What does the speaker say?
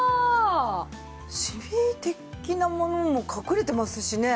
シミ的なものも隠れてますしね。